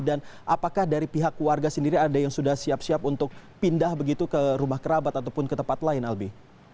dan apakah dari pihak warga sendiri ada yang sudah siap siap untuk pindah begitu ke rumah kerabat ataupun ke tempat lain albi